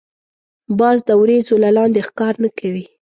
باز د وریځو له لاندی ښکار نه کوي